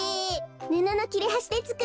ぬののきれはしでつくったの。